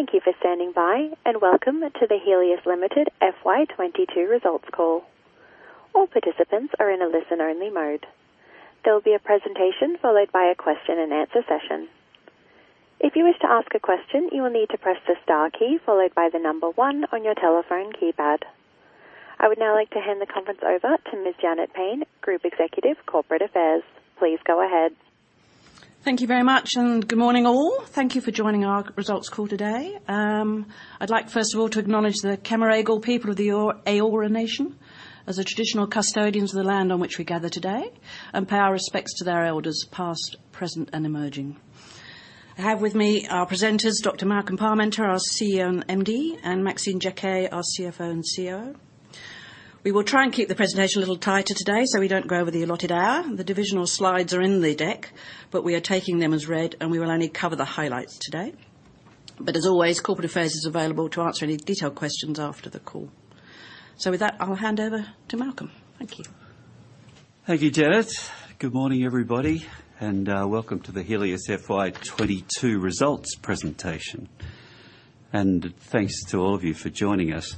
Thank you for standing by, and welcome to the Healius Limited FY 2022 results call. All participants are in a listen only mode. There will be a presentation followed by a question and answer session. If you wish to ask a question, you will need to press the star key followed by the number one on your telephone keypad. I would now like to hand the conference over to Ms. Janet Payne, Group Executive, Corporate Affairs. Please go ahead. Thank you very much, and good morning, all. Thank you for joining our results call today. I'd like, first of all, to acknowledge the Cammeraygal people of the Eora nation as the traditional custodians of the land on which we gather today, and pay our respects to their elders past, present, and emerging. I have with me our presenters, Dr. Malcolm Parmenter, our CEO and MD, and Maxine Jaquet, our CFO and COO. We will try and keep the presentation a little tighter today, so we don't go over the allotted hour. The divisional slides are in the deck, but we are taking them as read, and we will only cover the highlights today. As always, corporate affairs is available to answer any detailed questions after the call. With that, I'll hand over to Malcolm. Thank you. Thank you, Janet. Good morning, everybody, and welcome to the Healius FY 2022 results presentation. Thanks to all of you for joining us.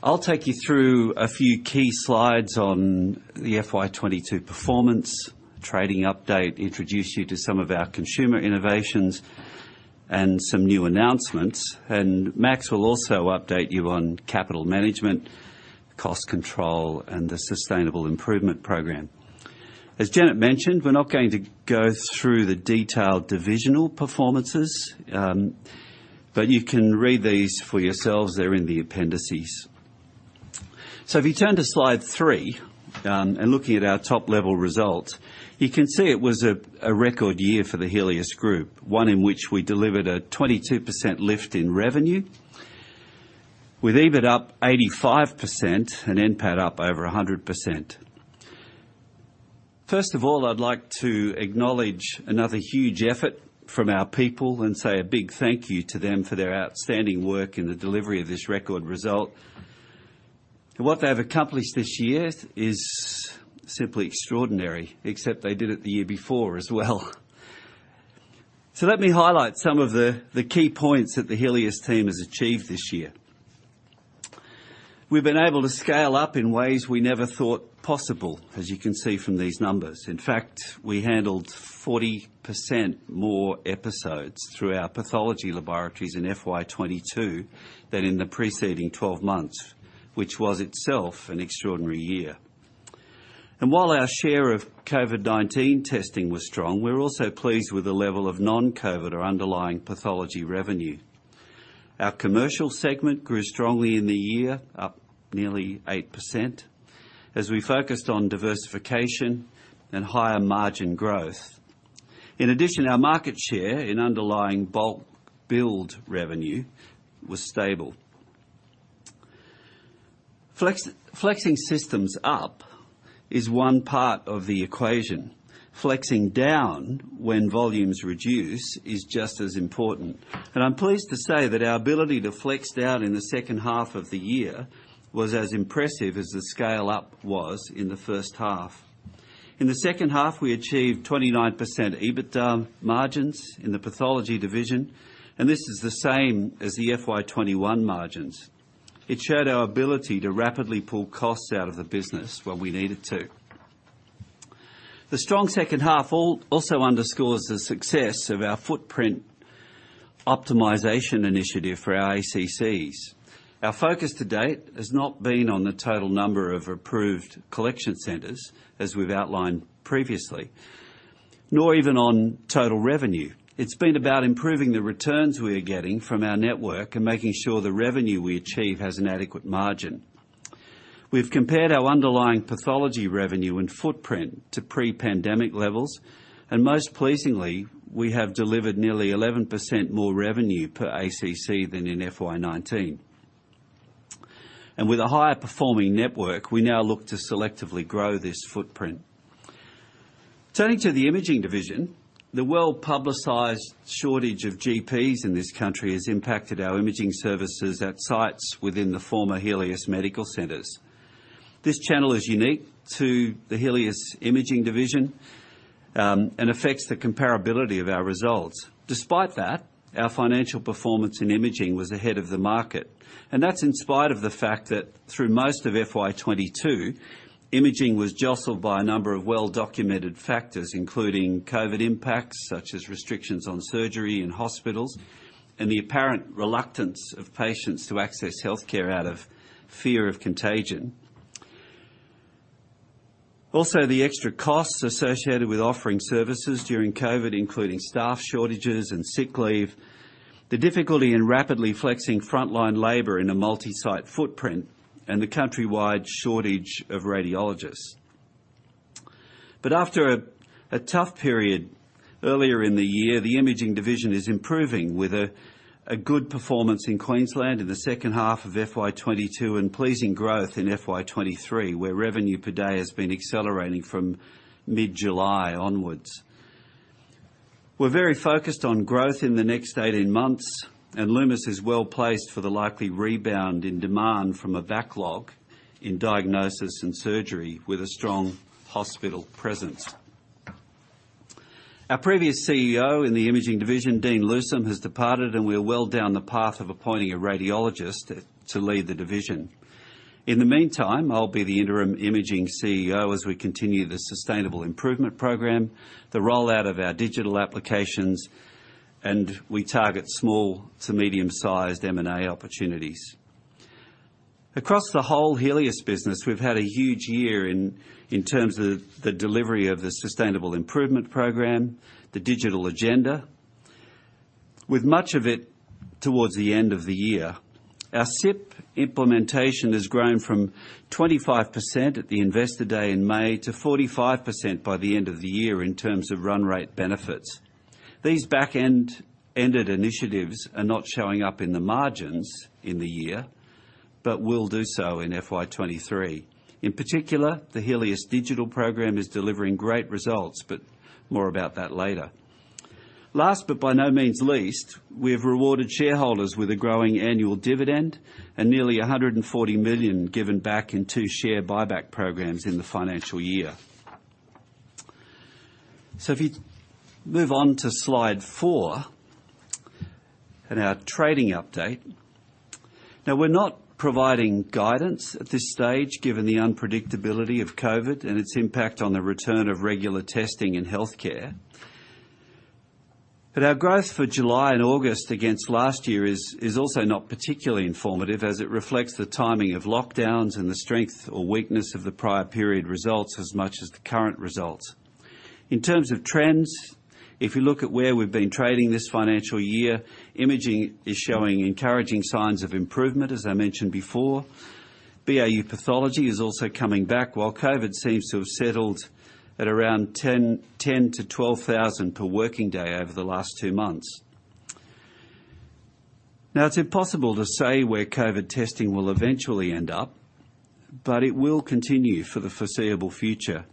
I'll take you through a few key slides on the FY 2022 performance, trading update, introduce you to some of our consumer innovations and some new announcements. Max will also update you on capital management, cost control, and the sustainable improvement program. As Janet mentioned, we're not going to go through the detailed divisional performances, but you can read these for yourselves. They're in the appendices. If you turn to slide three, and looking at our top level results, you can see it was a record year for the Healius Group, one in which we delivered a 22% lift in revenue, with EBIT up 85% and NPAT up over 100%. First of all, I'd like to acknowledge another huge effort from our people and say a big thank you to them for their outstanding work in the delivery of this record result. What they have accomplished this year is simply extraordinary, except they did it the year before as well. Let me highlight some of the key points that the Healius team has achieved this year. We've been able to scale up in ways we never thought possible, as you can see from these numbers. In fact, we handled 40% more episodes through our pathology laboratories in FY 2022 than in the preceding 12 months, which was itself an extraordinary year. While our share of COVID-19 testing was strong, we're also pleased with the level of non-COVID or underlying pathology revenue. Our commercial segment grew strongly in the year, up nearly 8%, as we focused on diversification and higher margin growth. In addition, our market share in underlying bulk bill revenue was stable. Flexing systems up is one part of the equation. Flexing down when volumes reduce is just as important. I'm pleased to say that our ability to flex down in the second half of the year was as impressive as the scale up was in the first half. In the second half, we achieved 29% EBITDA margins in the pathology division, and this is the same as the FY 2021 margins. It showed our ability to rapidly pull costs out of the business when we needed to. The strong second half also underscores the success of our footprint optimization initiative for our ACCs. Our focus to date has not been on the total number of approved collection centers, as we've outlined previously, nor even on total revenue. It's been about improving the returns we are getting from our network and making sure the revenue we achieve has an adequate margin. We've compared our underlying pathology revenue and footprint to pre-pandemic levels, and most pleasingly, we have delivered nearly 11% more revenue per ACC than in FY 2019. With a higher performing network, we now look to selectively grow this footprint. Turning to the imaging division, the well-publicized shortage of GPs in this country has impacted our imaging services at sites within the former Healius medical centers. This channel is unique to the Healius imaging division, and affects the comparability of our results. Despite that, our financial performance in imaging was ahead of the market, and that's in spite of the fact that through most of FY 2022, imaging was jostled by a number of well-documented factors, including COVID impacts, such as restrictions on surgery in hospitals and the apparent reluctance of patients to access healthcare out of fear of contagion. Also, the extra costs associated with offering services during COVID, including staff shortages and sick leave, the difficulty in rapidly flexing frontline labor in a multi-site footprint, and the countrywide shortage of radiologists. After a tough period earlier in the year, the imaging division is improving with a good performance in Queensland in the second half of FY 2022 and pleasing growth in FY 2023, where revenue per day has been accelerating from mid-July onwards. We're very focused on growth in the next 18 months, and Lumus is well placed for the likely rebound in demand from a backlog in diagnosis and surgery with a strong hospital presence. Our previous CEO in the imaging division, Dean Lewsam, has departed and we are well down the path of appointing a radiologist to lead the division. In the meantime, I'll be the interim imaging CEO as we continue the sustainable improvement program, the rollout of our digital applications, and we target small to medium-sized M&A opportunities. Across the whole Healius business, we've had a huge year in terms of the delivery of the sustainable improvement program, the digital agenda, with much of it towards the end of the year. Our SIP implementation has grown from 25% at the Investor Day in May to 45% by the end of the year in terms of run rate benefits. These back-ended initiatives are not showing up in the margins in the year, but will do so in FY 2023. In particular, the Healius Digital program is delivering great results, but more about that later. Last, but by no means least, we have rewarded shareholders with a growing annual dividend and nearly 140 million given back in two share buyback programs in the financial year. If you move on to slide four and our trading update. Now, we're not providing guidance at this stage, given the unpredictability of COVID and its impact on the return of regular testing in healthcare. Our growth for July and August against last year is also not particularly informative as it reflects the timing of lockdowns and the strength or weakness of the prior period results as much as the current results. In terms of trends, if you look at where we've been trading this financial year, imaging is showing encouraging signs of improvement, as I mentioned before. BAU pathology is also coming back, while COVID seems to have settled at around 10-12 thousand per working day over the last two months. Now, it's impossible to say where COVID testing will eventually end up, but it will continue for the foreseeable future.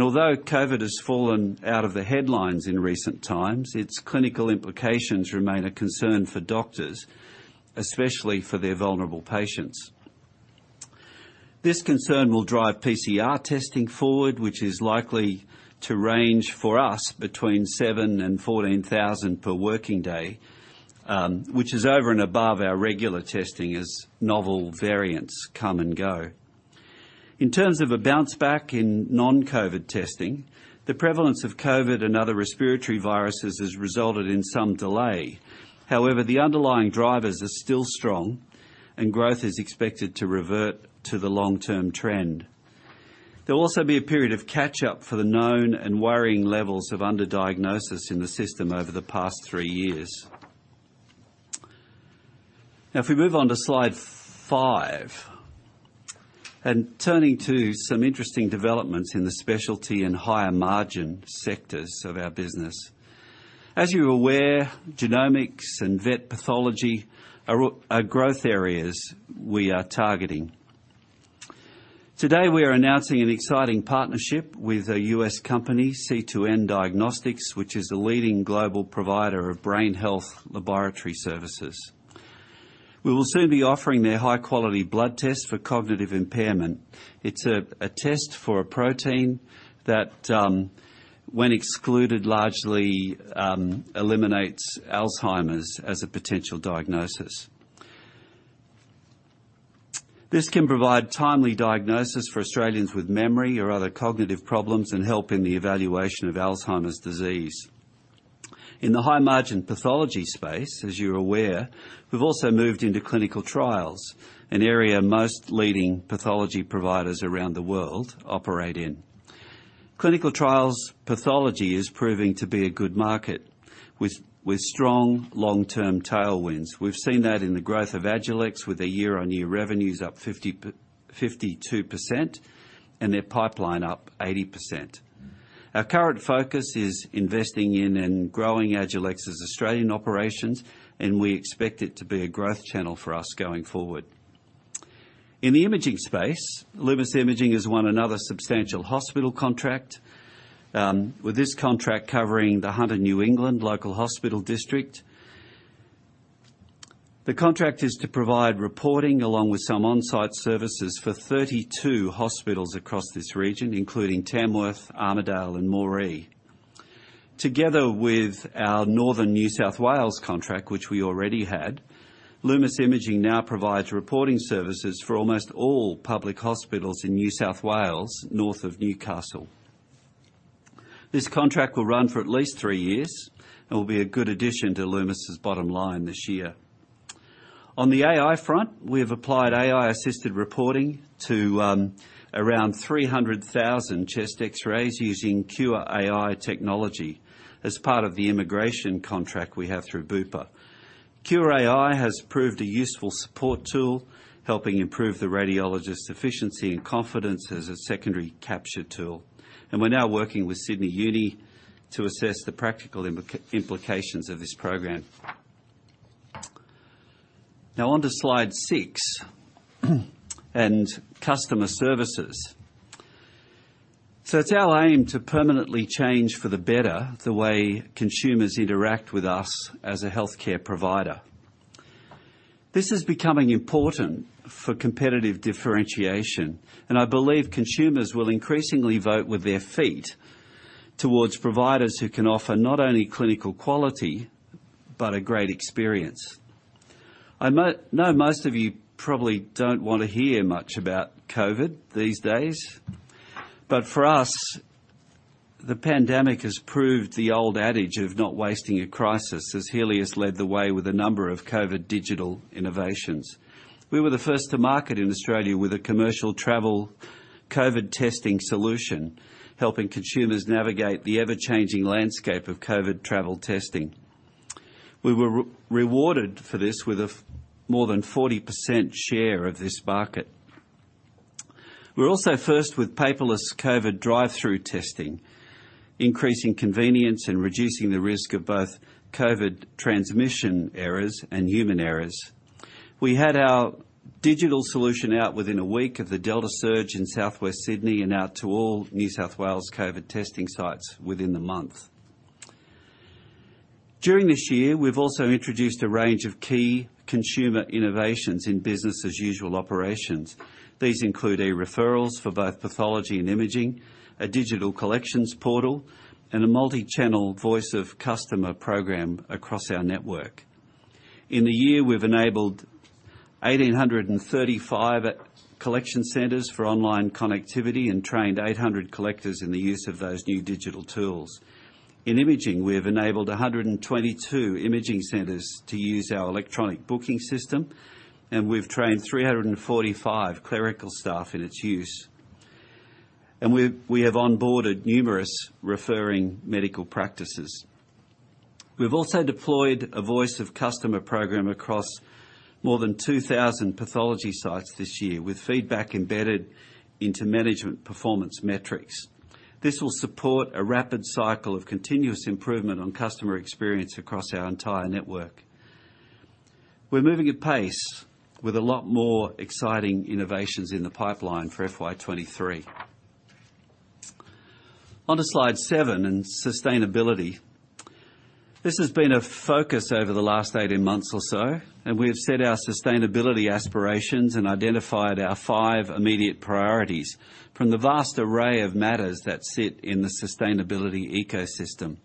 Although COVID has fallen out of the headlines in recent times, its clinical implications remain a concern for doctors, especially for their vulnerable patients. This concern will drive PCR testing forward, which is likely to range for us between seven and 14,000 per working day, which is over and above our regular testing as novel variants come and go. In terms of a bounce back in non-COVID testing, the prevalence of COVID and other respiratory viruses has resulted in some delay. However, the underlying drivers are still strong, and growth is expected to revert to the long-term trend. There will also be a period of catch-up for the known and worrying levels of under-diagnosis in the system over the past three years. Now, if we move on to slide five, turning to some interesting developments in the specialty and higher margin sectors of our business. As you're aware, genomics and vet pathology are growth areas we are targeting. Today, we are announcing an exciting partnership with a U.S. company, C2N Diagnostics, which is a leading global provider of brain health laboratory services. We will soon be offering their high-quality blood test for cognitive impairment. It's a test for a protein that when excluded largely eliminates Alzheimer's as a potential diagnosis. This can provide timely diagnosis for Australians with memory or other cognitive problems and help in the evaluation of Alzheimer's disease. In the high margin pathology space, as you're aware, we've also moved into clinical trials, an area most leading pathology providers around the world operate in. Clinical trials pathology is proving to be a good market with strong long-term tailwinds. We've seen that in the growth of Agilex with their year-on-year revenues up 52% and their pipeline up 80%. Our current focus is investing in and growing Agilex's Australian operations, and we expect it to be a growth channel for us going forward. In the imaging space, Lumus Imaging has won another substantial hospital contract, with this contract covering the Hunter New England Local Hospital District. The contract is to provide reporting along with some on-site services for 32 hospitals across this region, including Tamworth, Armidale and Moree. Together with our Northern New South Wales contract, which we already had, Lumus Imaging now provides reporting services for almost all public hospitals in New South Wales, north of Newcastle. This contract will run for at least three years and will be a good addition to Lumus' bottom line this year. On the AI front, we have applied AI-assisted reporting to around 300,000 chest X-rays using Qure.ai technology as part of the immigration contract we have through Bupa. Qure.ai has proved a useful support tool, helping improve the radiologist's efficiency and confidence as a secondary capture tool. We're now working with Sydney Uni to assess the practical implications of this program. Now on to slide six and customer services. It's our aim to permanently change for the better the way consumers interact with us as a healthcare provider. This is becoming important for competitive differentiation, and I believe consumers will increasingly vote with their feet towards providers who can offer not only clinical quality but a great experience. I know most of you probably don't want to hear much about COVID these days, but for us, the pandemic has proved the old adage of not wasting a crisis, as Healius led the way with a number of COVID digital innovations. We were the first to market in Australia with a commercial travel COVID testing solution, helping consumers navigate the ever-changing landscape of COVID travel testing. We were rewarded for this with a more than 40% share of this market. We were also first with paperless COVID drive-through testing, increasing convenience and reducing the risk of both COVID transmission errors and human errors. We had our digital solution out within a week of the Delta surge in Southwest Sydney and out to all New South Wales COVID testing sites within the month. During this year, we've also introduced a range of key consumer innovations in business as usual operations. These include e-referrals for both pathology and imaging, a digital collections portal, and a multi-channel voice of customer program across our network. In the year, we've enabled 1,835 collection centers for online connectivity and trained 800 collectors in the use of those new digital tools. In imaging, we have enabled 122 imaging centers to use our electronic booking system, and we've trained 345 clerical staff in its use. We have onboarded numerous referring medical practices. We've also deployed a voice of customer program across more than 2,000 pathology sites this year, with feedback embedded into management performance metrics. This will support a rapid cycle of continuous improvement on customer experience across our entire network. We're moving at pace with a lot more exciting innovations in the pipeline for FY 2023. On to slide seven and sustainability. This has been a focus over the last 18 months or so, and we have set our sustainability aspirations and identified our five immediate priorities from the vast array of matters that sit in the sustainability ecosystem.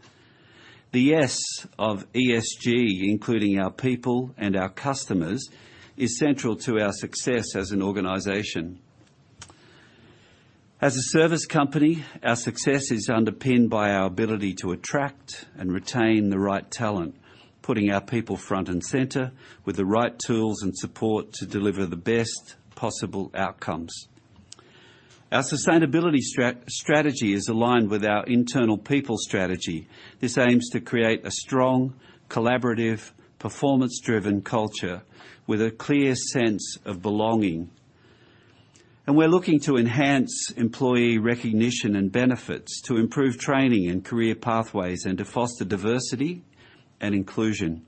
The S of ESG, including our people and our customers, is central to our success as an organization. As a service company, our success is underpinned by our ability to attract and retain the right talent, putting our people front and center with the right tools and support to deliver the best possible outcomes. Our sustainability strategy is aligned with our internal people strategy. This aims to create a strong, collaborative, performance-driven culture with a clear sense of belonging. We're looking to enhance employee recognition and benefits to improve training and career pathways, and to foster diversity and inclusion.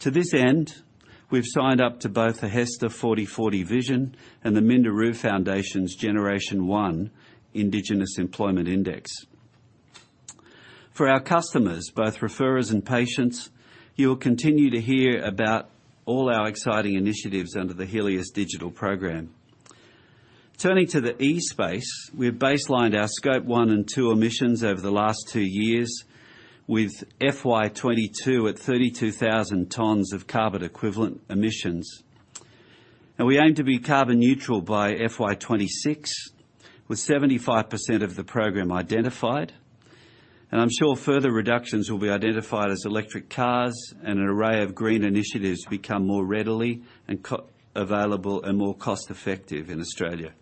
To this end, we've signed up to both the HESTA 40:40 Vision and the Minderoo Foundation's Generation One Indigenous Employment Index. For our customers, both referrers and patients, you will continue to hear about all our exciting initiatives under the Healius Digital program. Turning to the ESG space, we have baselined our scope one and two emissions over the last two years, with FY 2022 at 32,000 tons of carbon equivalent emissions. We aim to be carbon neutral by FY 2026, with 75% of the program identified. I'm sure further reductions will be identified as electric cars and an array of green initiatives become more readily and available and more cost-effective in Australia.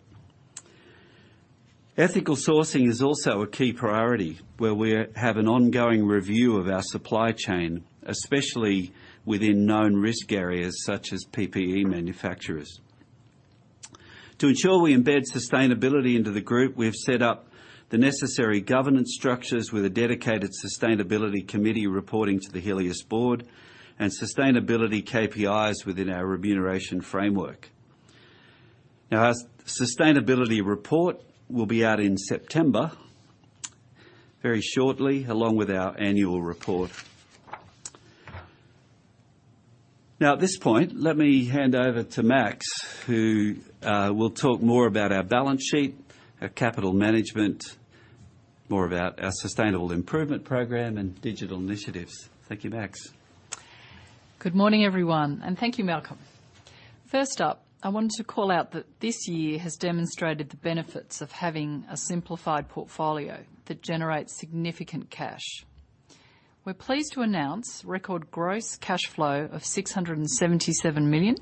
Ethical sourcing is also a key priority, where we have an ongoing review of our supply chain, especially within known risk areas such as PPE manufacturers. To ensure we embed sustainability into the group, we've set up the necessary governance structures with a dedicated sustainability committee reporting to the Healius board and sustainability KPIs within our remuneration framework. Now, our sustainability report will be out in September, very shortly, along with our annual report. Now, at this point, let me hand over to Max, who will talk more about our balance sheet, our capital management, more about our sustainable improvement program, and digital initiatives. Thank you, Max. Good morning, everyone, and thank you, Malcolm. First up, I wanted to call out that this year has demonstrated the benefits of having a simplified portfolio that generates significant cash. We're pleased to announce record gross cash flow of 677 million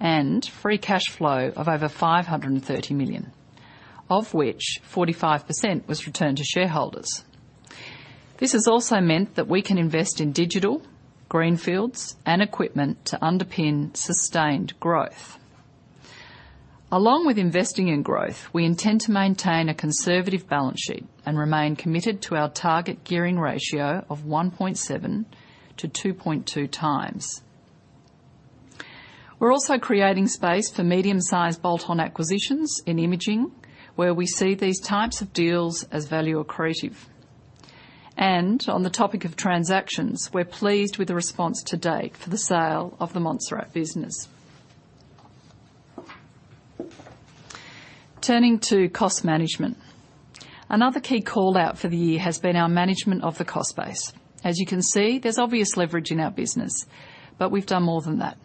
and free cash flow of over 530 million, of which 45% was returned to shareholders. This has also meant that we can invest in digital, greenfields, and equipment to underpin sustained growth. Along with investing in growth, we intend to maintain a conservative balance sheet and remain committed to our target gearing ratio of 1.7x to 2.2x. We're also creating space for medium-sized bolt-on acquisitions in imaging, where we see these types of deals as value accretive. On the topic of transactions, we're pleased with the response to date for the sale of the Montserrat business. Turning to cost management. Another key call-out for the year has been our management of the cost base. As you can see, there's obvious leverage in our business, but we've done more than that.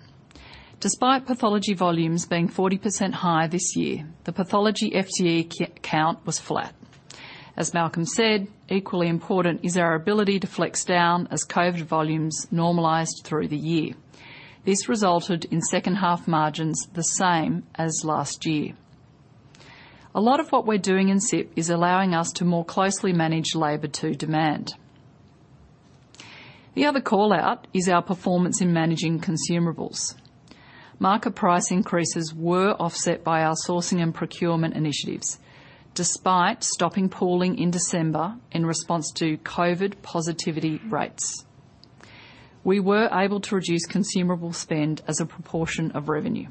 Despite pathology volumes being 40% higher this year, the pathology FTE count was flat. As Malcolm said, equally important is our ability to flex down as COVID volumes normalized through the year. This resulted in second half margins the same as last year. A lot of what we're doing in SIP is allowing us to more closely manage labor to demand. The other call-out is our performance in managing consumables. Market price increases were offset by our sourcing and procurement initiatives, despite stopping pooling in December in response to COVID positivity rates. We were able to reduce consumable spend as a proportion of revenue.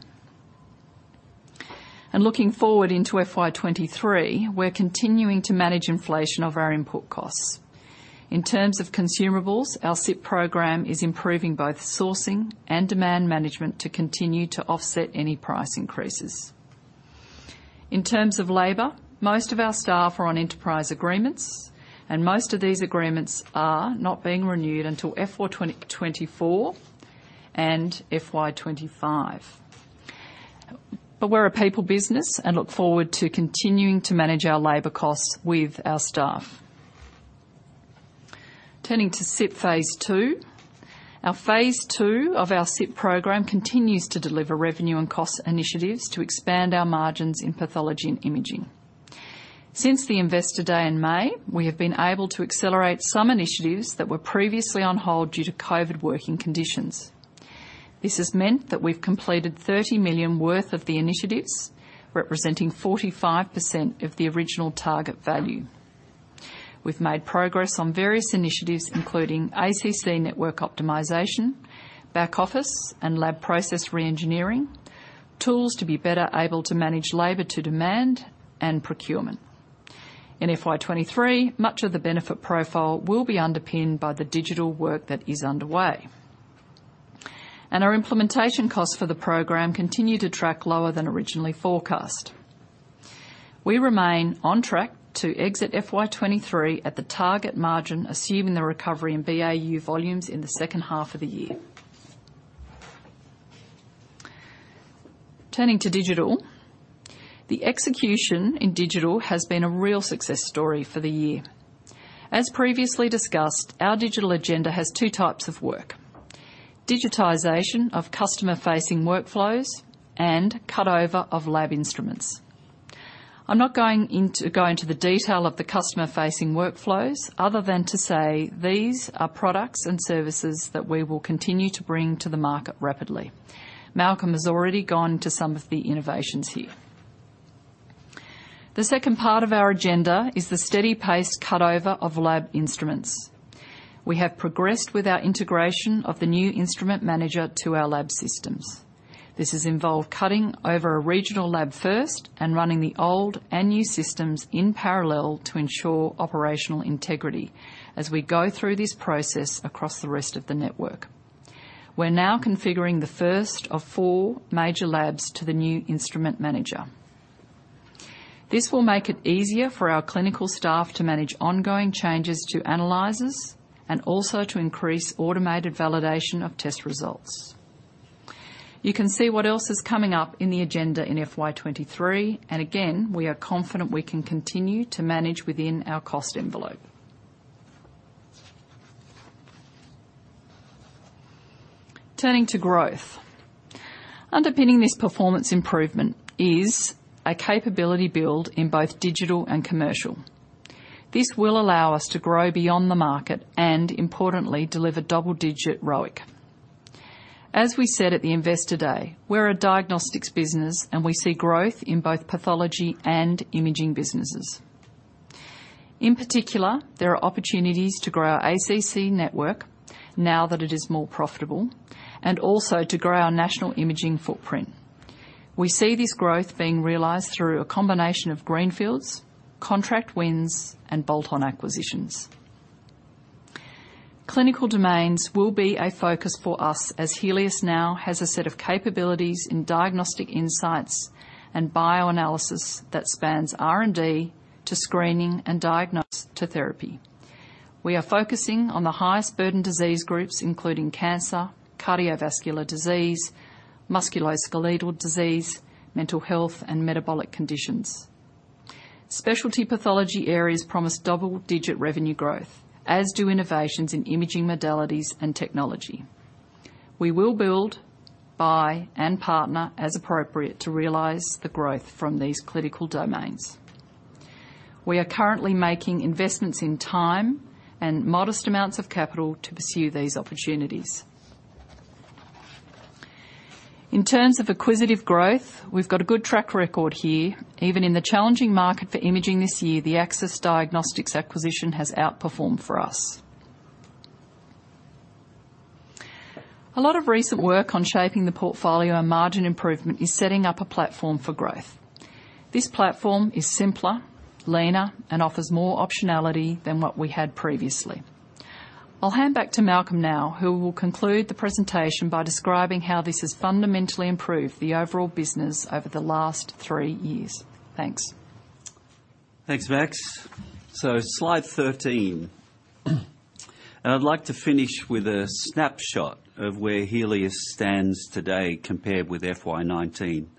Looking forward into FY 2023, we're continuing to manage inflation of our input costs. In terms of consumables, our SIP program is improving both sourcing and demand management to continue to offset any price increases. In terms of labor, most of our staff are on enterprise agreements, and most of these agreements are not being renewed until FY 2024 and FY 2025. We're a people business and look forward to continuing to manage our labor costs with our staff. Turning to SIP phase II. Our phase II of our SIP program continues to deliver revenue and cost initiatives to expand our margins in pathology and imaging. Since the Investor Day in May, we have been able to accelerate some initiatives that were previously on hold due to COVID working conditions. This has meant that we've completed 30 million worth of the initiatives, representing 45% of the original target value. We've made progress on various initiatives, including ACC network optimization, back office and lab process reengineering, tools to be better able to manage labor to demand, and procurement. In FY 2023, much of the benefit profile will be underpinned by the digital work that is underway. Our implementation costs for the program continue to track lower than originally forecast. We remain on track to exit FY 2023 at the target margin, assuming the recovery in BAU volumes in the second half of the year. Turning to digital. The execution in digital has been a real success story for the year. As previously discussed, our digital agenda has two types of work: digitization of customer-facing workflows and cut over of lab instruments. I'm not going into the detail of the customer-facing workflows, other than to say these are products and services that we will continue to bring to the market rapidly. Malcolm has already gone to some of the innovations here. The second part of our agenda is the steady pace cut over of lab instruments. We have progressed with our integration of the new instrument manager to our lab systems. This has involved cutting over a regional lab first and running the old and new systems in parallel to ensure operational integrity as we go through this process across the rest of the network. We're now configuring the first of four major labs to the new instrument manager. This will make it easier for our clinical staff to manage ongoing changes to analyzers and also to increase automated validation of test results. You can see what else is coming up in the agenda in FY 2023, and again, we are confident we can continue to manage within our cost envelope. Turning to growth. Underpinning this performance improvement is a capability build in both digital and commercial. This will allow us to grow beyond the market and, importantly, deliver double-digit ROIC. As we said at the Investor Day, we're a diagnostics business and we see growth in both pathology and imaging businesses. In particular, there are opportunities to grow our ACC network now that it is more profitable, and also to grow our national imaging footprint. We see this growth being realized through a combination of greenfields, contract wins, and bolt-on acquisitions. Clinical domains will be a focus for us as Healius now has a set of capabilities in diagnostic insights and bioanalysis that spans R&D to screening and diagnosis to therapy. We are focusing on the highest burden disease groups, including cancer, cardiovascular disease, musculoskeletal disease, mental health, and metabolic conditions. Specialty pathology areas promise double-digit revenue growth, as do innovations in imaging modalities and technology. We will build, buy, and partner as appropriate to realize the growth from these clinical domains. We are currently making investments in time and modest amounts of capital to pursue these opportunities. In terms of acquisitive growth, we've got a good track record here. Even in the challenging market for imaging this year, the Axis Diagnostics acquisition has outperformed for us. A lot of recent work on shaping the portfolio and margin improvement is setting up a platform for growth. This platform is simpler, leaner, and offers more optionality than what we had previously. I'll hand back to Malcolm now, who will conclude the presentation by describing how this has fundamentally improved the overall business over the last three years. Thanks. Thanks, Max. Slide 13. I'd like to finish with a snapshot of where Healius stands today compared with FY 2019.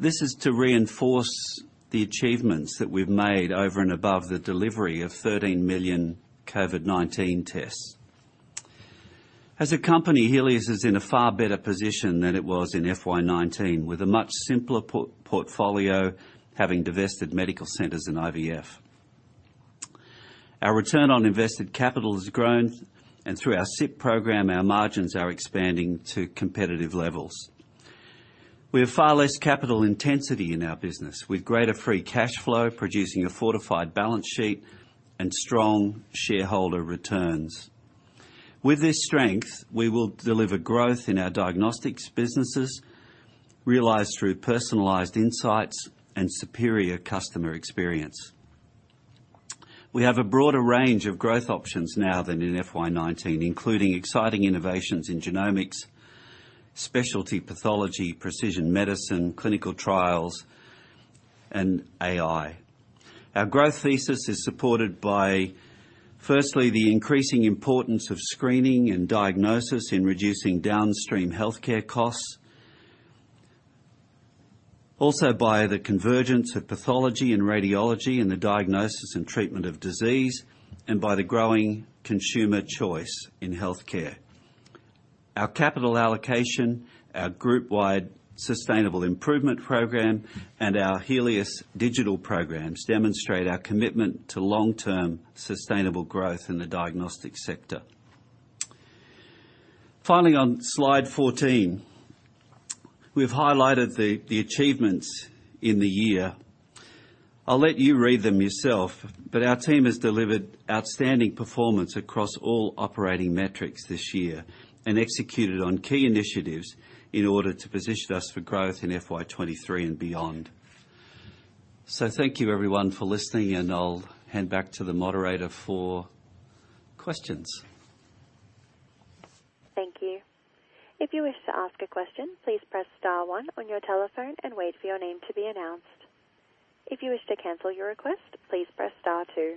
This is to reinforce the achievements that we've made over and above the delivery of 13 million COVID-19 tests. As a company, Healius is in a far better position than it was in FY 2019, with a much simpler portfolio, having divested medical centers in IVF. Our return on invested capital has grown, and through our SIP program, our margins are expanding to competitive levels. We have far less capital intensity in our business, with greater free cash flow, producing a fortified balance sheet and strong shareholder returns. With this strength, we will deliver growth in our diagnostics businesses, realized through personalized insights and superior customer experience. We have a broader range of growth options now than in FY 2019, including exciting innovations in genomics, specialty pathology, precision medicine, clinical trials, and AI. Our growth thesis is supported by, firstly, the increasing importance of screening and diagnosis in reducing downstream healthcare costs. Also, by the convergence of pathology and radiology in the diagnosis and treatment of disease, and by the growing consumer choice in healthcare. Our capital allocation, our group-wide Sustainable Improvement Program, and our Healius Digital programs demonstrate our commitment to long-term sustainable growth in the diagnostic sector. Finally, on slide 14, we've highlighted the achievements in the year. I'll let you read them yourself, but our team has delivered outstanding performance across all operating metrics this year and executed on key initiatives in order to position us for growth in FY 2023 and beyond. Thank you, everyone, for listening, and I'll hand back to the moderator for questions. Thank you. If you wish to ask a question, please press star one on your telephone and wait for your name to be announced. If you wish to cancel your request, please press star two.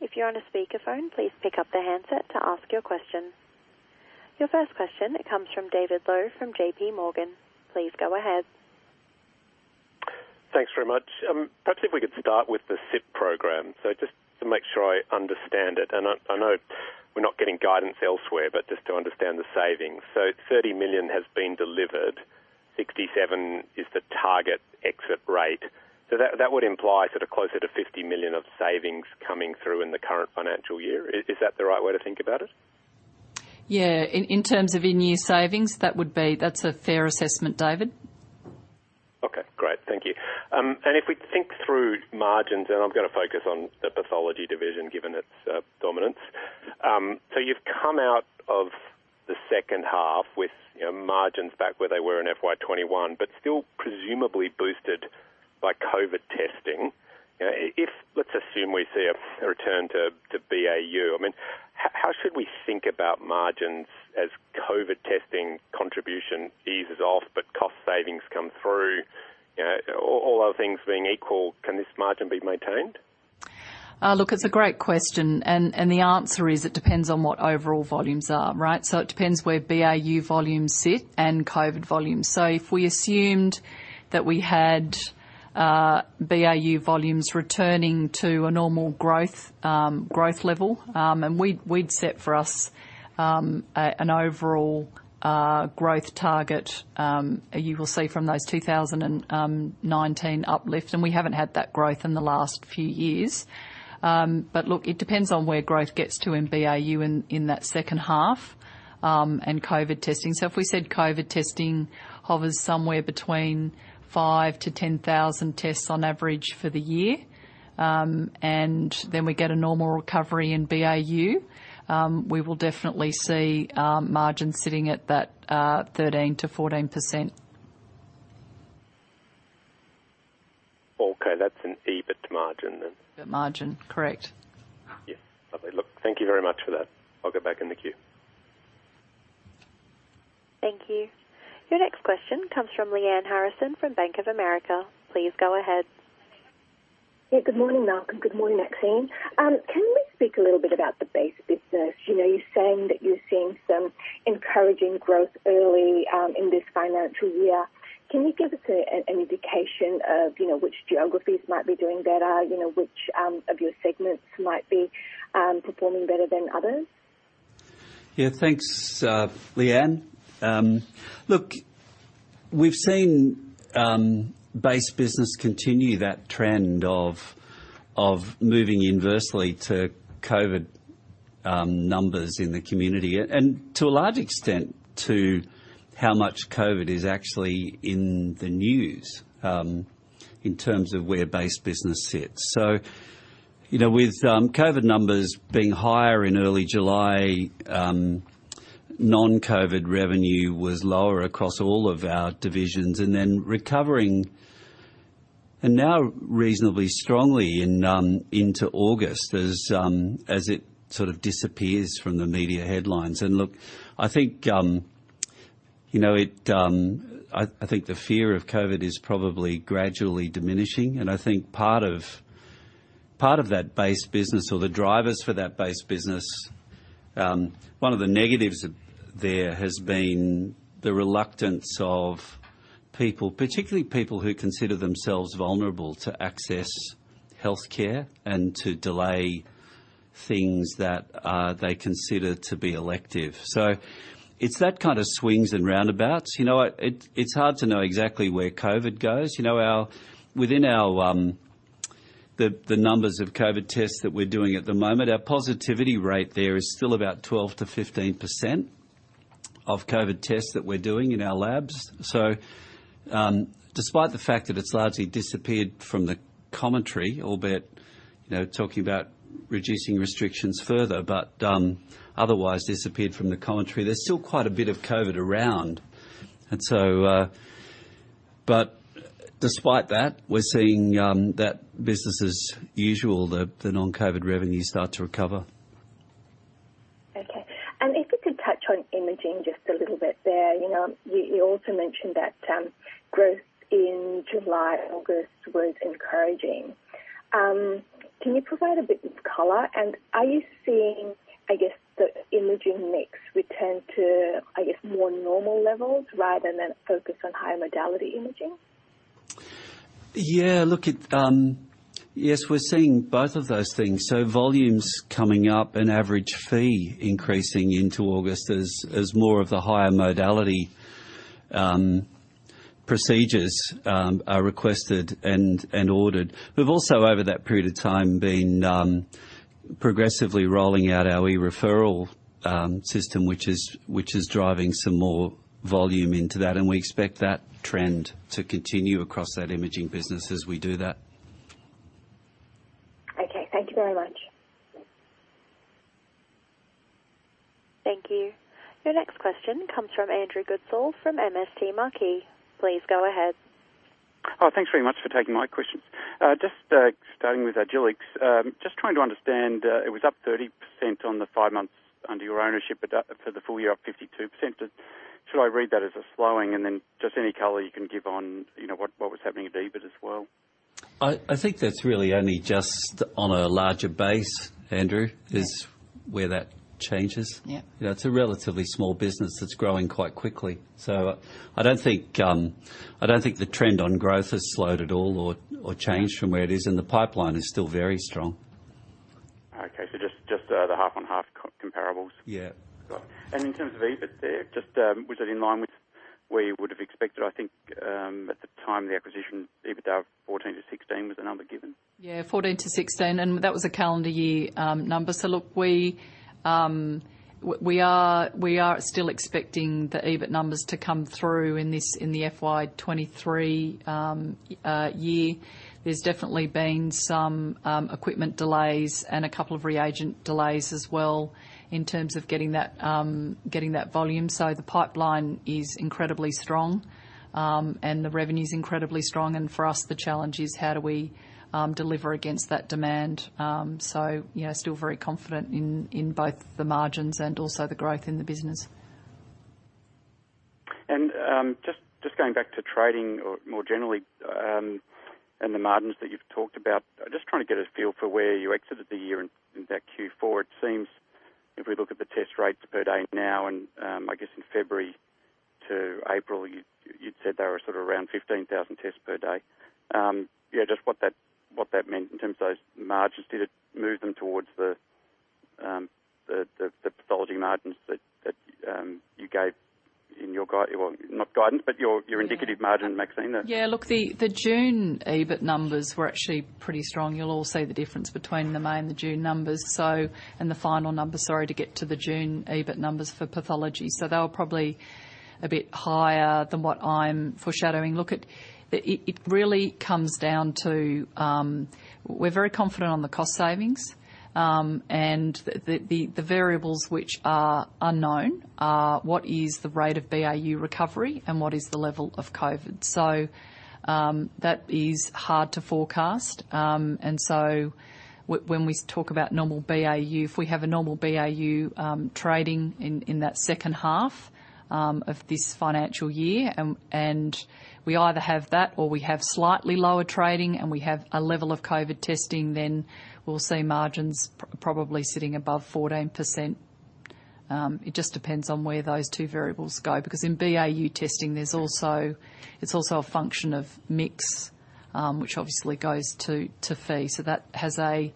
If you're on a speakerphone, please pick up the handset to ask your question. Your first question comes from David Low from JPMorgan. Please go ahead. Thanks very much. Perhaps if we could start with the SIP program. Just to make sure I understand it, and I know we're not getting guidance elsewhere, but just to understand the savings. 30 million has been delivered. 67 is the target exit rate. That would imply sort of closer to 50 million of savings coming through in the current financial year. Is that the right way to think about it? Yeah. In terms of in-year savings, that's a fair assessment, David. Okay, great. Thank you. If we think through margins, I'm gonna focus on the pathology division, given its dominance. You've come out of the second half with, you know, margins back where they were in FY 2021, but still presumably boosted by COVID testing. Let's assume we see a return to BAU. I mean, how should we think about margins as COVID testing contribution eases off, but cost savings come through? You know, all other things being equal, can this margin be maintained? Look, it's a great question, and the answer is it depends on what overall volumes are, right? It depends where BAU volumes sit and COVID volumes. If we assumed that we had BAU volumes returning to a normal growth level, and we'd set for us an overall growth target, you will see from those 2019 uplift, and we haven't had that growth in the last few years. Look, it depends on where growth gets to in BAU in that second half and COVID testing. If we said COVID testing hovers somewhere between 5,000-10,000 tests on average for the year, and then we get a normal recovery in BAU, we will definitely see margins sitting at that 13%-14%. Okay. That's an EBIT margin then? The margin, correct. Yes. Lovely. Look, thank you very much for that. I'll go back in the queue. Thank you. Your next question comes from Lyanne Harrison from Bank of America. Please go ahead. Yeah, good morning, Malcolm. Good morning, Maxine. Can you maybe speak a little bit about the base business? You know, you're saying that you're seeing some encouraging growth early in this financial year. Can you give us an indication of, you know, which geographies might be doing better? You know, which of your segments might be performing better than others? Yeah, thanks, Lyanne. Look, we've seen base business continue that trend of moving inversely to COVID numbers in the community, and to a large extent, to how much COVID is actually in the news in terms of where base business sits. You know, with COVID numbers being higher in early July, non-COVID revenue was lower across all of our divisions and then recovering, and now reasonably strongly into August as it sort of disappears from the media headlines. Look, I think you know, it, I think the fear of COVID is probably gradually diminishing. I think part of that base business or the drivers for that base business, one of the negatives there has been the reluctance of people, particularly people who consider themselves vulnerable to access healthcare and to delay things that they consider to be elective. It's that kind of swings and roundabouts. You know what, it's hard to know exactly where COVID goes. You know, within our, the numbers of COVID tests that we're doing at the moment, our positivity rate there is still about 12%-15% of COVID tests that we're doing in our labs. Despite the fact that it's largely disappeared from the commentary, albeit, you know, talking about reducing restrictions further, but otherwise disappeared from the commentary, there's still quite a bit of COVID around. Despite that, we're seeing that business as usual, the non-COVID revenues start to recover. Okay. If you could touch on imaging just a little bit there. You know, you also mentioned that growth in July and August was encouraging. Can you provide a bit of color? Are you seeing, I guess, the imaging mix return to, I guess, more normal levels rather than focus on higher modality imaging? Yeah. Look, yes, we're seeing both of those things. Volume's coming up and average fee increasing into August as more of the higher modality procedures are requested and ordered. We've also, over that period of time, been progressively rolling out our e-referral system which is driving some more volume into that, and we expect that trend to continue across that imaging business as we do that. Okay. Thank you very much. Thank you. Your next question comes from Andrew Goodsall from MST Marquee. Please go ahead. Oh, thanks very much for taking my questions. Just starting with Agilex. Just trying to understand, it was up 30% on the five months under your ownership, but for the full year, up 52%. Should I read that as a slowing? Just any color you can give on, you know, what was happening at EBIT as well. I think that's really only just on a larger base, Andrew, is where that changes. Yeah. You know, it's a relatively small business that's growing quite quickly. I don't think the trend on growth has slowed at all or changed from where it is, and the pipeline is still very strong. Okay. Just the half on half comparables. Yeah. Got it. In terms of EBIT there, just, was that in line with where you would have expected, I think, at the time the acquisition, EBITDA of 14-16 was the number given? Yeah, 14-16, and that was a calendar year number. Look, we are still expecting the EBIT numbers to come through in this, in the FY 2023 year. There's definitely been some equipment delays and a couple of reagent delays as well in terms of getting that volume. The pipeline is incredibly strong, and the revenue's incredibly strong. For us, the challenge is how do we deliver against that demand. You know, still very confident in both the margins and also the growth in the business. Just going back to trading or more generally, and the margins that you've talked about. Just trying to get a feel for where you exited the year in that Q4. It seems if we look at the test rates per day now and, I guess in February-April, you'd said they were sort of around 15,000 tests per day. Yeah, just what that meant in terms of those margins. Did it move them towards the pathology margins that you gave in your, well, not guidance, but your indicative margin, Maxine? Yeah. Look, the June EBIT numbers were actually pretty strong. You'll all see the difference between the May and the June numbers. The final numbers, sorry, to get to the June EBIT numbers for pathology. They were probably a bit higher than what I'm foreshadowing. Look, it really comes down to, we're very confident on the cost savings, and the variables which are unknown are what is the rate of BAU recovery and what is the level of COVID. That is hard to forecast. When we talk about normal BAU, if we have a normal BAU trading in that second half of this financial year, and we either have that or we have slightly lower trading and we have a level of COVID testing, then we'll see margins probably sitting above 14%. It just depends on where those two variables go. Because in BAU testing, it's also a function of mix, which obviously goes to fee. So that has a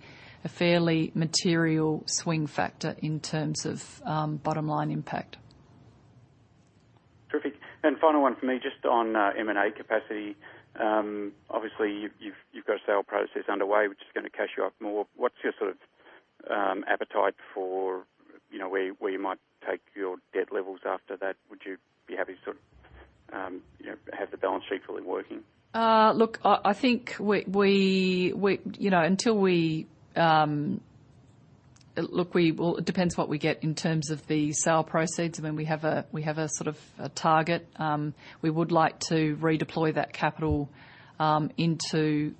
fairly material swing factor in terms of bottom line impact. Terrific. Final one for me, just on M&A capacity. Obviously you've got a sale process underway which is gonna cash you up more. What's your sort of appetite for, you know, where you might take your debt levels after that. Would you be happy to sort of, you know, have the balance sheet fully working? Well, it depends what we get in terms of the sale proceeds. I mean, we have a sort of a target. We would like to redeploy that capital into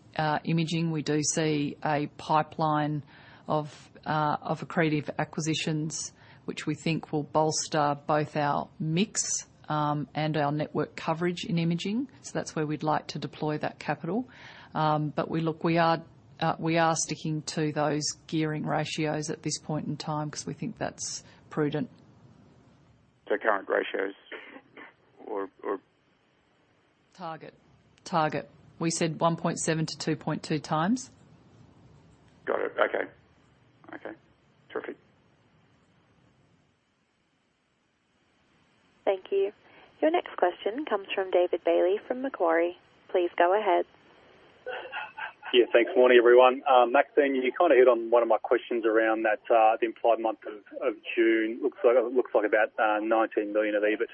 imaging. We do see a pipeline of accretive acquisitions, which we think will bolster both our mix and our network coverage in imaging. That's where we'd like to deploy that capital. We are sticking to those gearing ratios at this point in time cause we think that's prudent. Current ratios or Target. We said 1.7x to 2.2x. Got it. Okay. Terrific. Thank you. Your next question comes from David Bailey from Macquarie. Please go ahead. Yeah, thanks. Morning, everyone. Maxine, you kinda hit on one of my questions around that, the implied month of June. Looks like about 19 million of EBIT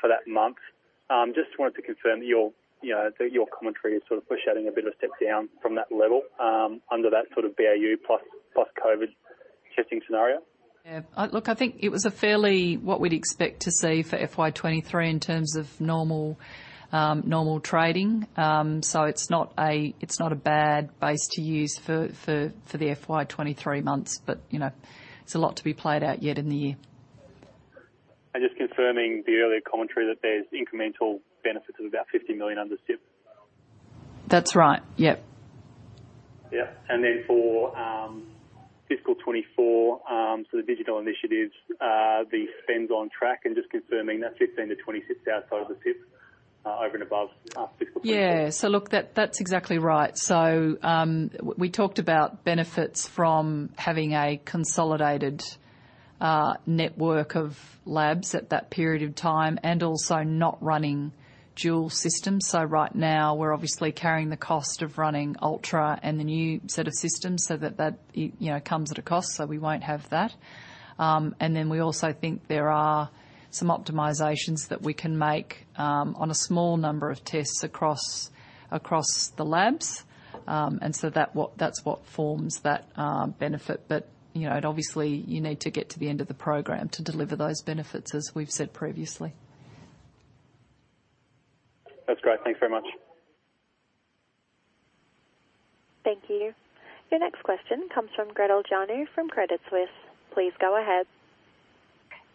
for that month. Just wanted to confirm that your, you know, that your commentary is sort of foreshadowing a bit of a step down from that level under that sort of BAU plus COVID testing scenario. Yeah. Look, I think it was fairly what we'd expect to see for FY 2023 in terms of normal trading. It's not a bad base to use for the FY 2023 months, but you know, there's a lot to be played out yet in the year. Just confirming the earlier commentary that there's incremental benefits of about 50 million under SIP. That's right. Yep. Yeah. For fiscal 2024, the digital initiatives, the spend's on track and just confirming that's 15-26 outside the SIP, over and above fiscal- Look, that's exactly right. We talked about benefits from having a consolidated network of labs at that period of time, and also not running dual systems. Right now we're obviously carrying the cost of running Ultra and the new set of systems so that, you know, comes at a cost, so we won't have that. Then we also think there are some optimizations that we can make on a small number of tests across the labs. That's what forms that benefit. You know, obviously you need to get to the end of the program to deliver those benefits, as we've said previously. That's great. Thanks very much. Thank you. Your next question comes from Gretel Janu from Credit Suisse. Please go ahead.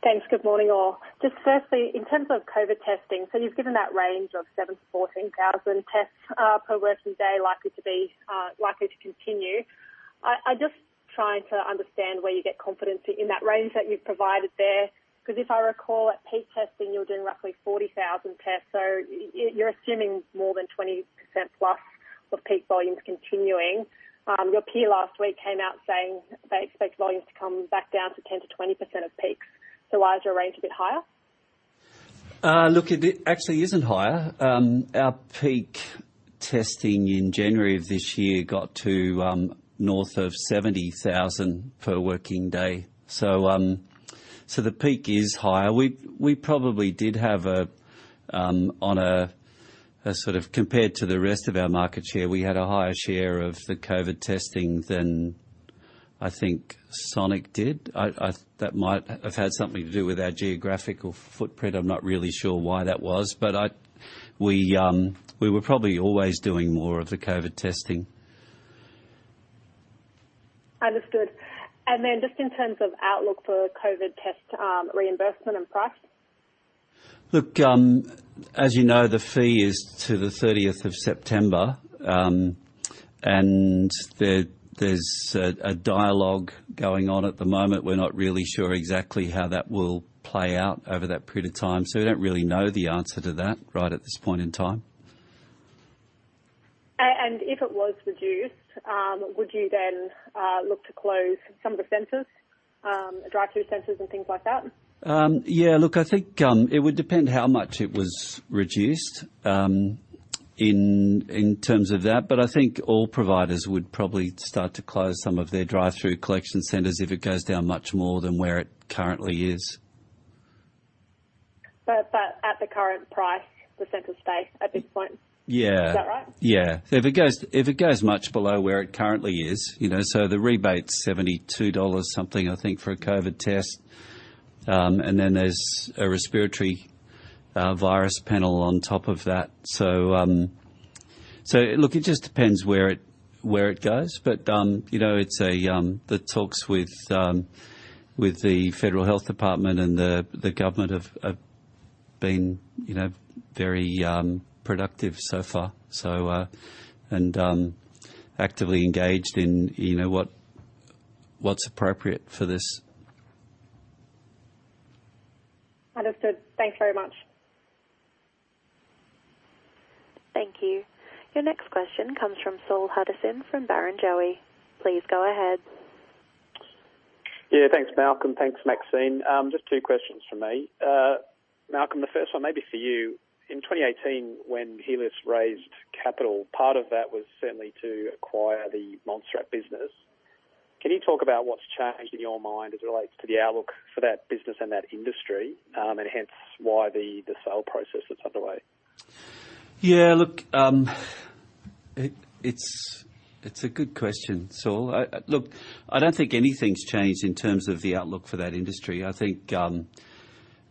Thanks. Good morning, all. Just firstly, in terms of COVID testing, you've given that range of 7,000-14,000 tests per working day likely to continue. I just trying to understand where you get confidence in that range that you've provided there, 'cause if I recall, at peak testing, you were doing roughly 40,000 tests, so you're assuming more than 20% plus of peak volumes continuing. Your peer last week came out saying they expect volumes to come back down to 10%-20% of peaks. Why is your range a bit higher? Look, it actually isn't higher. Our peak testing in January of this year got to north of 70,000 per working day. The peak is higher. We probably did have a higher share of the COVID testing than I think Sonic did, compared to the rest of our market share. That might have had something to do with our geographical footprint. I'm not really sure why that was. We were probably always doing more of the COVID testing. Understood. Just in terms of outlook for COVID test reimbursement and price. Look, as you know, the fee is to the 30th of September, and there's a dialogue going on at the moment. We're not really sure exactly how that will play out over that period of time, so we don't really know the answer to that right at this point in time. If it was reduced, would you then look to close some of the centers, drive-through centers and things like that? Yeah, look, I think it would depend how much it was reduced in terms of that. I think all providers would probably start to close some of their drive-through collection centers if it goes down much more than where it currently is. At the current price, the sentiment space at this point. Yeah. Is that right? Yeah. If it goes much below where it currently is, you know, so the rebate's 72 dollars something, I think, for a COVID test. And then there's a respiratory virus panel on top of that. Look, it just depends where it goes. You know, it's the talks with the Federal Health Department and the government have been very productive so far, and actively engaged in, you know, what's appropriate for this. Understood. Thanks very much. Thank you. Your next question comes from Saul Hadassin from Barrenjoey. Please go ahead. Yeah, thanks, Malcolm. Thanks, Maxine. Just two questions from me. Malcolm, the first one may be for you. In 2018, when Healius raised capital, part of that was certainly to acquire the Montserrat business. Can you talk about what's changed in your mind as it relates to the outlook for that business and that industry, and hence why the sale process is underway? Yeah, look, it's a good question, Saul. Look, I don't think anything's changed in terms of the outlook for that industry. I think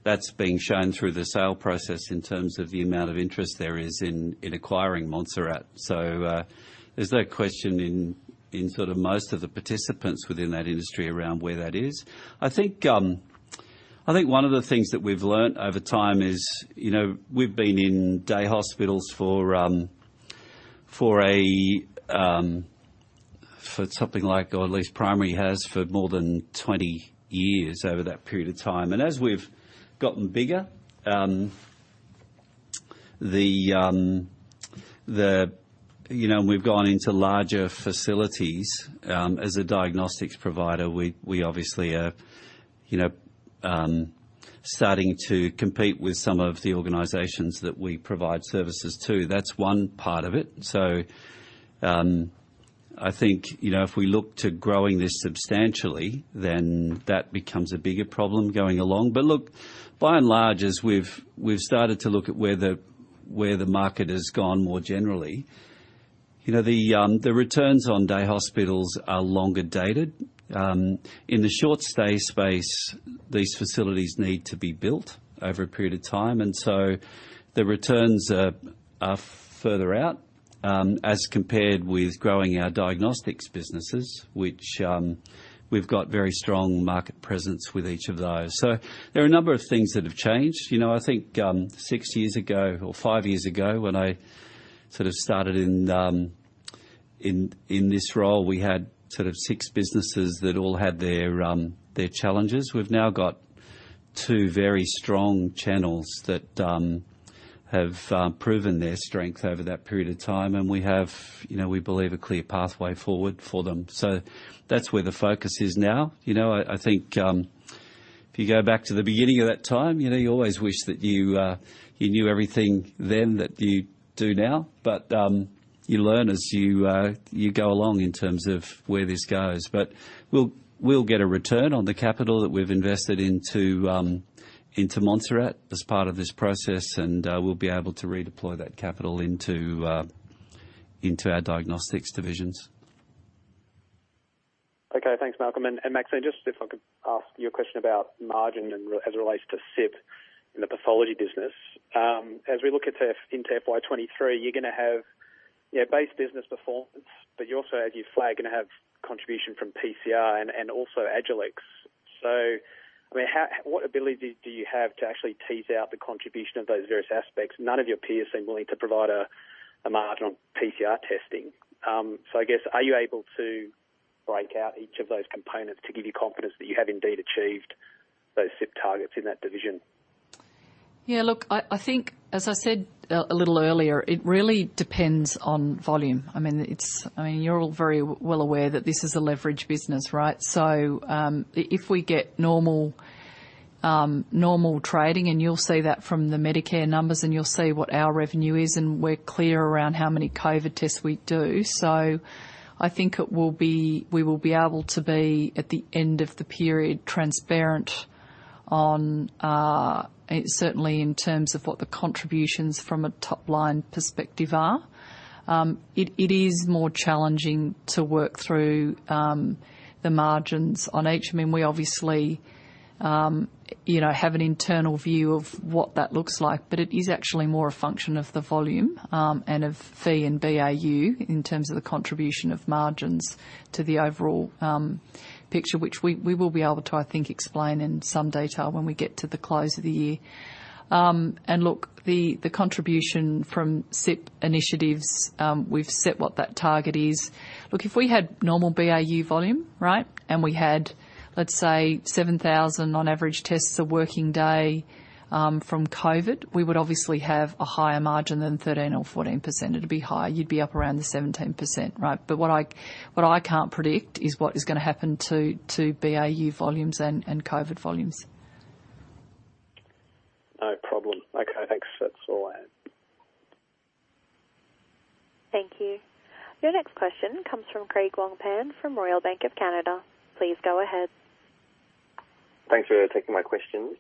that's been shown through the sale process in terms of the amount of interest there is in acquiring Montserrat. There's no question in sort of most of the participants within that industry around where that is. I think one of the things that we've learned over time is, you know, we've been in day hospitals for something like, or at least primary has, for more than 20 years over that period of time. As we've gotten bigger, you know, we've gone into larger facilities as a diagnostics provider. We obviously are, you know, starting to compete with some of the organizations that we provide services to. That's one part of it. I think, you know, if we look to growing this substantially, then that becomes a bigger problem going along. Look, by and large, as we've started to look at where the market has gone more generally, you know, the returns on day hospitals are longer dated. In the short stay space, these facilities need to be built over a period of time. The returns are further out, as compared with growing our diagnostics businesses which, we've got very strong market presence with each of those. There are a number of things that have changed. You know, I think, six years ago or five years ago when I sort of started in this role, we had sort of six businesses that all had their challenges. We've now got two very strong channels that have proven their strength over that period of time, and we have, you know, we believe a clear pathway forward for them. That's where the focus is now. You know, I think, if you go back to the beginning of that time, you know, you always wish that you knew everything then that you do now. You learn as you go along in terms of where this goes. We'll get a return on the capital that we've invested into Montserrat as part of this process, and we'll be able to redeploy that capital into our diagnostics divisions. Okay. Thanks, Malcolm. Maxine, just if I could ask you a question about margin and as it relates to SIP in the pathology business. As we look forward into FY 2023, you're gonna have, you know, base business performance, but you also, as you flag, gonna have contribution from PCR and also Agilex. I mean, how? What abilities do you have to actually tease out the contribution of those various aspects? None of your peers seem willing to provide a margin on PCR testing. I guess, are you able to break out each of those components to give you confidence that you have indeed achieved those SIP targets in that division? Look, I think as I said a little earlier, it really depends on volume. I mean, I mean, you're all very well aware that this is a leverage business, right? If we get normal normal trading, and you'll see that from the Medicare numbers, and you'll see what our revenue is, and we're clear around how many COVID tests we do. I think it will be we will be able to be, at the end of the period, transparent on certainly in terms of what the contributions from a top line perspective are. It is more challenging to work through the margins on each. I mean, we obviously you know have an internal view of what that looks like. It is actually more a function of the volume, and of fee and BAU in terms of the contribution of margins to the overall picture, which we will be able to, I think, explain in some detail when we get to the close of the year. And look, the contribution from SIP initiatives, we've set what that target is. Look, if we had normal BAU volume, right, and we had, let's say 7,000 on average tests a working day, from COVID, we would obviously have a higher margin than 13% or 14%. It'd be higher. You'd be up around the 17%, right? What I can't predict is what is gonna happen to BAU volumes and COVID volumes. No problem. Okay, thanks. That's all I had. Thank you. Your next question comes from Craig Wong-Pan from Royal Bank of Canada. Please go ahead. Thanks for taking my questions.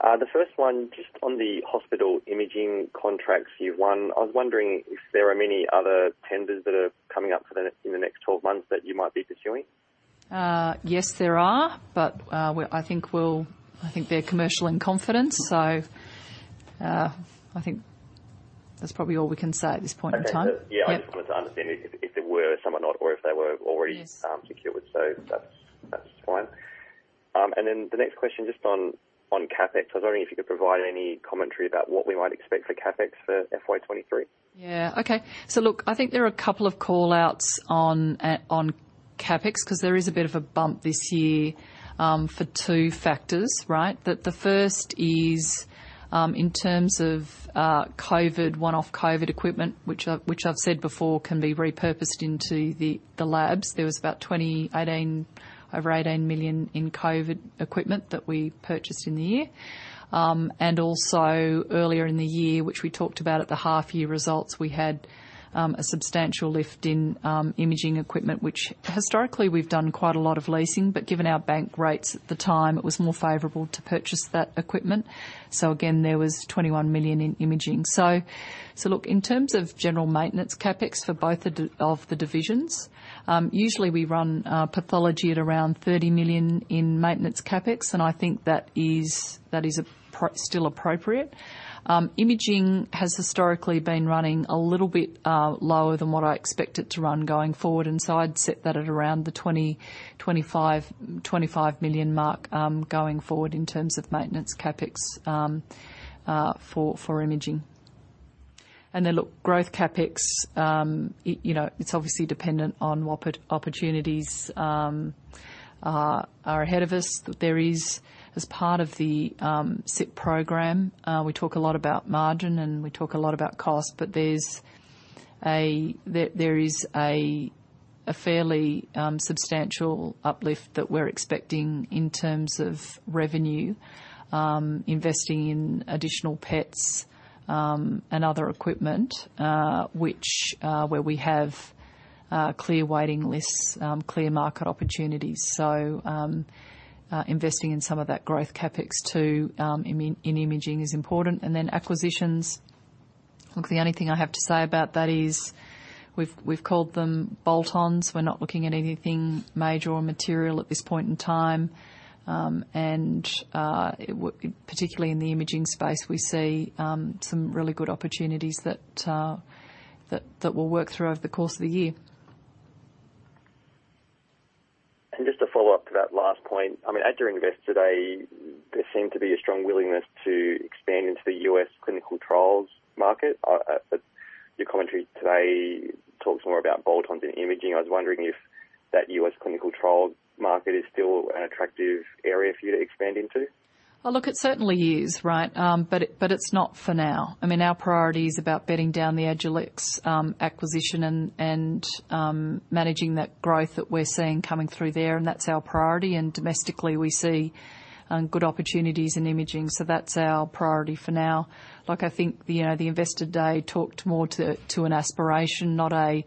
The first one, just on the hospital imaging contracts you've won, I was wondering if there are many other tenders that are coming up in the next 12 months that you might be pursuing? Yes, there are, but I think they're commercial in confidence, so I think that's probably all we can say at this point in time. Okay. Yeah. Yeah, I just wanted to understand if there were some or not, or if they were already. Yes. secured. That's fine. The next question, just on CapEx. I was wondering if you could provide any commentary about what we might expect for CapEx for FY 2023. Yeah. Okay. Look, I think there are a couple of call outs on CapEx, because there is a bit of a bump this year for two factors, right? The first is, in terms of, COVID, one-off COVID equipment, which I've said before can be repurposed into the labs. There was about 28 million, over 18 million in COVID equipment that we purchased in the year. And also earlier in the year, which we talked about at the half year results, we had a substantial lift in imaging equipment, which historically we've done quite a lot of leasing, but given our bank rates at the time, it was more favorable to purchase that equipment. Again, there was 21 million in imaging. Look, in terms of general maintenance CapEx for both the divisions, usually we run pathology at around 30 million in maintenance CapEx, and I think that is still appropriate. Imaging has historically been running a little bit lower than what I expect it to run going forward, and so I'd set that at around the 20 million-25 million mark going forward in terms of maintenance CapEx for imaging. Look, growth CapEx, you know, it's obviously dependent on what opportunities are ahead of us. There is, as part of the SIP program, we talk a lot about margin and we talk a lot about cost, but there is a fairly substantial uplift that we're expecting in terms of revenue, investing in additional PETs and other equipment, where we have clear waiting lists, clear market opportunities. Investing in some of that growth CapEx in imaging is important. Acquisitions. Look, the only thing I have to say about that is we've called them bolt-ons. We're not looking at anything major or material at this point in time. Particularly in the imaging space, we see some really good opportunities that we'll work through over the course of the year. Just to follow up to that last point, I mean, at your Investor Day, there seemed to be a strong willingness to expand into the U.S. clinical trials market. Your commentary today talks more about bolt-ons and imaging. I was wondering if that U.S. clinical trial market is still an attractive area for you to expand into. Well, look, it certainly is, right? But it's not for now. I mean, our priority is about bedding down the Agilex acquisition and managing that growth that we're seeing coming through there, and that's our priority. Domestically, we see good opportunities in imaging. That's our priority for now. Look, I think the Investor Day talked more to an aspiration, not a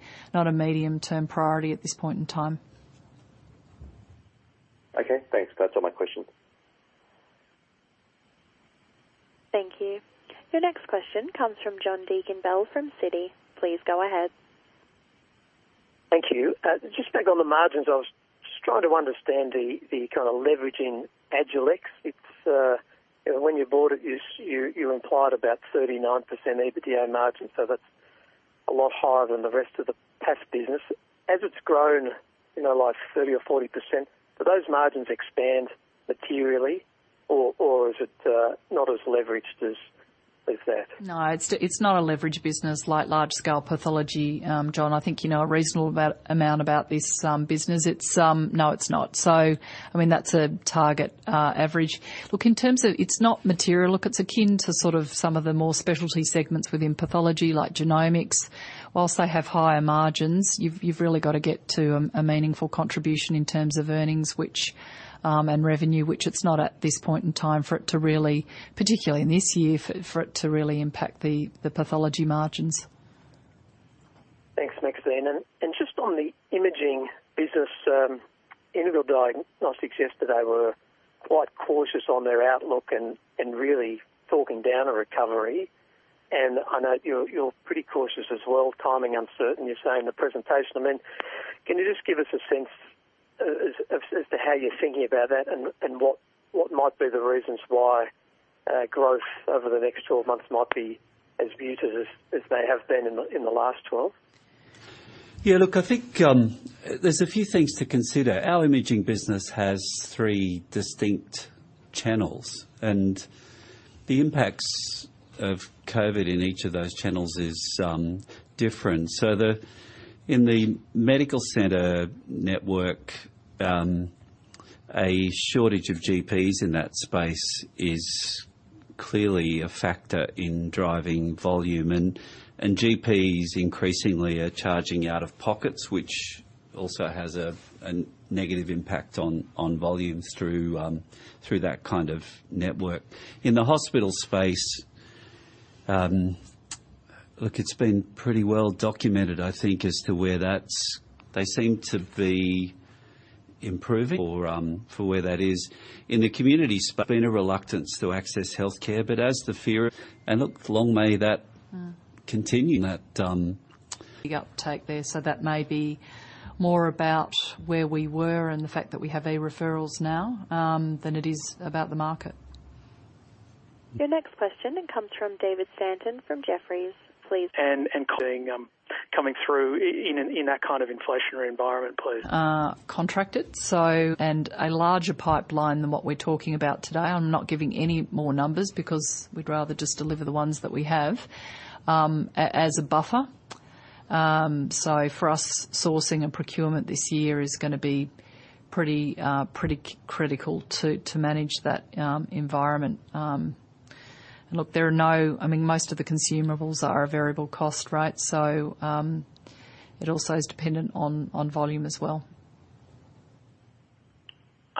medium-term priority at this point in time. Okay, thanks. That's all my questions. Thank you. Your next question comes from John Deakin-Bell from Citi. Please go ahead. Thank you. Just back on the margins, I was just trying to understand the kind of leverage in Agilex. It's, you know, when you bought it, you implied about 39% EBITDA margin, so that's a lot higher than the rest of the path business. As it's grown, you know, like 30% or 40%, do those margins expand materially or is it not as leveraged as that? No, it's not a leverage business like large scale pathology, John. I think you know a reasonable amount about this business. No, it's not. I mean, that's a target average. Look, in terms of. It's not material. Look, it's akin to sort of some of the more specialty segments within pathology, like genomics. While they have higher margins, you've really got to get to a meaningful contribution in terms of earnings, which and revenue, which it's not at this point in time for it to really, particularly in this year, for it to really impact the pathology margins. Thanks, Maxine. Just on the imaging business, Integral Diagnostics yesterday were quite cautious on their outlook and really talking down a recovery. I know you're pretty cautious as well. Timing uncertain, you say in the presentation. I mean, can you just give us a sense as to how you're thinking about that and what might be the reasons why growth over the next 12 months might be as muted as they have been in the last 12? Yeah, look, I think there's a few things to consider. Our imaging business has three distinct channels, and the impacts of COVID in each of those channels is different. So, in the medical center network, a shortage of GPs in that space is clearly a factor in driving volume. GPs increasingly are charging out-of-pocket, which also has a negative impact on volumes through that kind of network. In the hospital space, look, it's been pretty well documented, I think, as to where that is. They seem to be improving or for where that is. In the community space, been a reluctance to access healthcare. But as the fear. Look, long may that continue, that. Big uptake there. That may be more about where we were and the fact that we have e-referrals now than it is about the market. Your next question then comes from David Stanton from Jefferies. Please- Coming through in that kind of inflationary environment, please. A larger pipeline than what we're talking about today. I'm not giving any more numbers because we'd rather just deliver the ones that we have, as a buffer. For us, sourcing and procurement this year is gonna be pretty critical to manage that environment. Look, I mean, most of the consumables are a variable cost, right? It also is dependent on volume as well.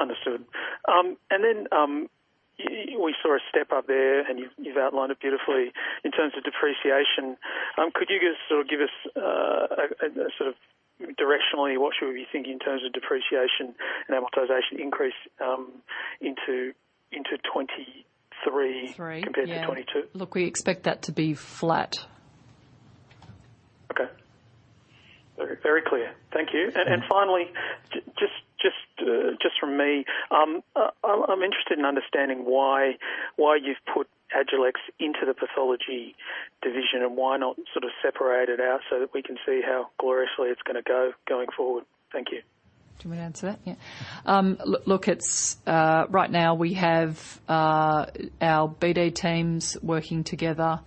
Understood. We saw a step up there, and you've outlined it beautifully. In terms of depreciation, could you just sort of give us a sort of directionally what should we be thinking in terms of depreciation and amortization increase into 2023? Three. compared to 2022? Look, we expect that to be flat. Okay. Very clear. Thank you. Mm-hmm. Finally, just from me. I'm interested in understanding why you've put Agilex into the pathology division and why not sort of separate it out so that we can see how gloriously it's gonna go going forward. Thank you. Do you wanna answer that? Yeah. Look, it's right now we have our BD teams working together.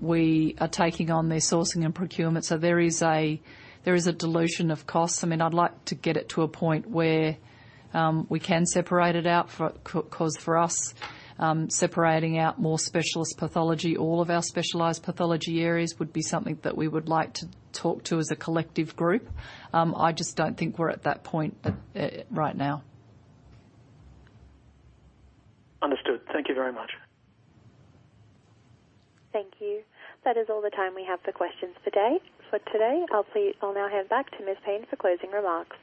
We are taking on their sourcing and procurement, so there is a dilution of costs. I mean, I'd like to get it to a point where we can separate it out 'cause for us, separating out more specialist pathology, all of our specialized pathology areas would be something that we would like to talk about as a collective group. I just don't think we're at that point right now. Understood. Thank you very much. Thank you. That is all the time we have for questions today. For today, I'll now hand back to Ms. Payne for closing remarks.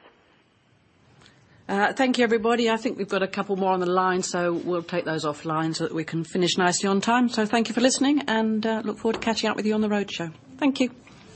Thank you, everybody. I think we've got a couple more on the line, so we'll take those offline so that we can finish nicely on time. Thank you for listening, and look forward to catching up with you on the roadshow. Thank you.